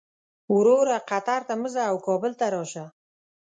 وروره قطر ته مه ځه او کابل ته راشه.